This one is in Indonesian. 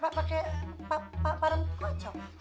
pak pak pak pakein bareng kocok